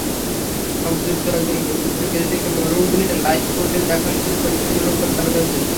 সম্প্রতি যুক্তরাজ্যের কিছু ক্লিনিকে ভ্রূণের লাইভ ফুটেজ দেখার সুবিধা পরীক্ষামূলকভাবে চালু হয়েছে।